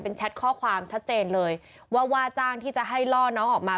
แชทข้อความชัดเจนเลยว่าว่าจ้างที่จะให้ล่อน้องออกมา